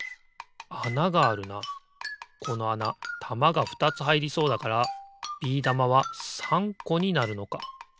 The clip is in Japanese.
このあなたまがふたつはいりそうだからビー玉は３こになるのか。